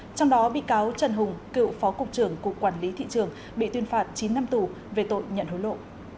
trong đó bị cáo trần hùng cựu phó cục trưởng cục quản lý thị trường bị tuyên phạt chín năm tù về tội nhận hối lộ